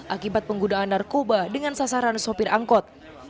akibat penggunaan narkoba dengan sasaran sopir angkot